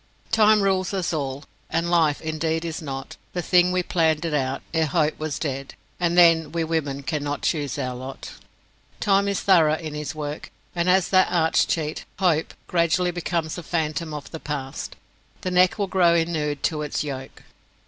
"Time rules us all. And life, indeed, is not The thing we planned it out, ere hope was dead; And then, we women cannot choose our lot." Time is thorough in his work, and as that arch cheat, Hope, gradually becomes a phantom of the past, the neck will grow inured to its yoke.